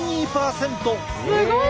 すごい！